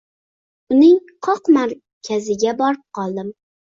Uning qoq markaziga borib qoldim